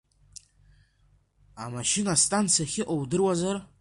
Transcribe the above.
Амашьына астанциа ахьыҟоу удыруазар?